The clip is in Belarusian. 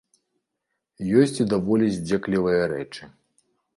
Ёсць і даволі здзеклівыя рэчы.